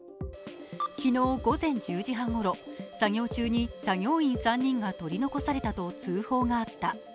昨日午前１０時半ごろ、作業中に作業員３人が取り残されたと通報があった。